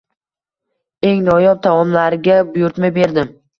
Eng noyob taomlarga buyurtma berdim.